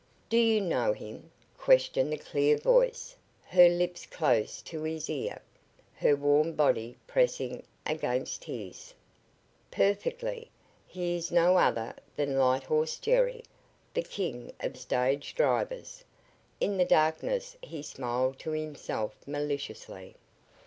"Do you know him?" questioned the clear voice, her lips close to his ear, her warm body pressing against his. "Perfectly. He is no other than Lighthorse Jerry, the king of stage drivers." In the darkness he smiled to himself maliciously.